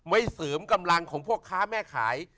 เสริมกำลังของพ่อค้าแม่ขาย